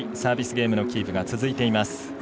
ゲームキープが続いています。